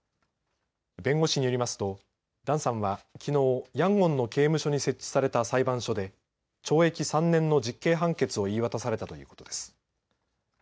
弁護士によりますとダンさんはきのうヤンゴンの刑務所に設置された裁判所で懲役３年の実刑判決を言い渡されたということです。